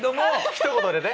ひと言でね。